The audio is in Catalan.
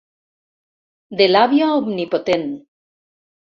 De l'àvia omnipotent.